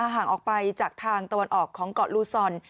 ห่างออกไปจากทางตะวันออกของเกาะลูซอน